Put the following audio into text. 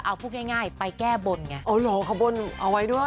เอาพูดง่ายไปแก้บนไงอ๋อเหรอเขาบนเอาไว้ด้วย